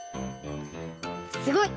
すごい！